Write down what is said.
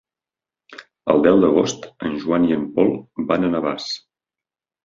El deu d'agost en Joan i en Pol van a Navàs.